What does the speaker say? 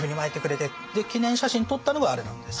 で記念写真撮ったのがあれなんです。